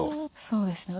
そうですね